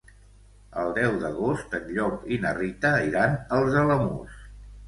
El deu d'agost en Llop i na Rita iran als Alamús.